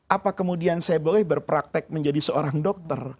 apa kemudian saya boleh berpraktek menjadi seorang dokter